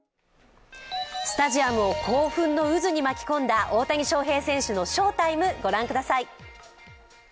スタジアムを興奮の渦に巻き込んだ大谷翔平選手の翔タイム、ご覧ください。